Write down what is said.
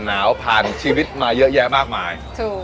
หนาวผ่านชีวิตมาเยอะแยะมากมาย